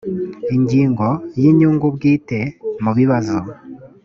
ingingo ya inyungu bwite mu bibazo